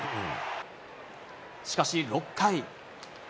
しかし、６回。